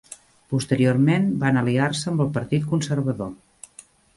Posteriorment van aliar-se amb el Partit Conservador.